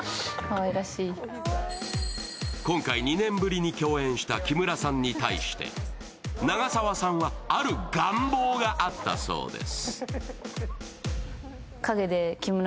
今回２年ぶりに共演した木村さんに対して長澤さんは、ある願望があったそうです。